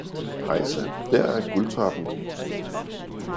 Hejsa, der er guldtoppen!